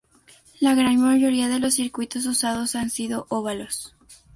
La gran mayoría de los circuitos usados han sido óvalos.